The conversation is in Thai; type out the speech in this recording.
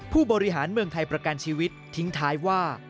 ผู้บริหารเมืองไทยประกันชีวิตทิ้งท้ายว่า